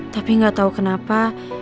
tapi gak tau kenapa